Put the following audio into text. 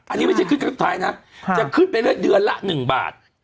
อันนี้ไม่ใช่ขึ้นครั้งสุดท้ายนะจะขึ้นไปเรื่อยเดือนละ๑บาท